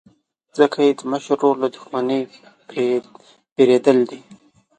ځکه یې د مشر ورور له دښمنۍ بېرېدل.